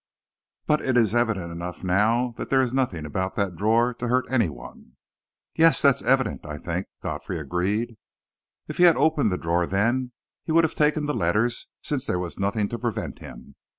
But it is evident enough now that there is nothing about that drawer to hurt any one." "Yes, that's evident, I think," Godfrey agreed. "If he had opened the drawer, then, he would have taken the letters, since there was nothing to prevent him.